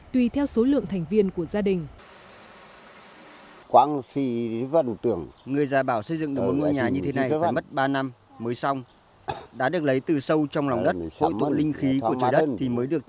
tùy theo số lượng thành viên của gia đình